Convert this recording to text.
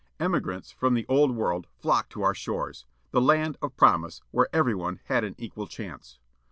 Emigrants from the Old World flocked to our shores â the land of promise â ^where everyone had an equal chance.